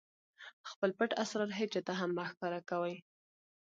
خپل پټ اسرار هېچاته هم مه ښکاره کوئ!